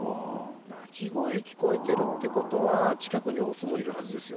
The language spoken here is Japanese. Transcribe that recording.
鳴き声聞こえてるってことは近くにオスもいるはずですよ。